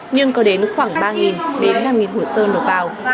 nhưng có đến khoảng ba đến năm hồ sơn đổ vào